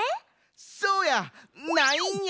そうや！ないんや！